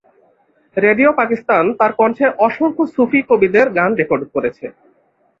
Radio Pakistan তার কণ্ঠে অসংখ্য সুফি কবিদের গান রেকর্ড করেছে।